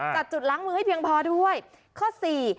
จุดล้างมือให้เพียงพอด้วยข้อสี่